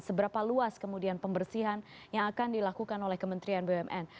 seberapa luas kemudian pembersihan yang akan dilakukan oleh kementerian bumn